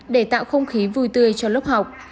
để tạo không khí vui tươi cho lớp học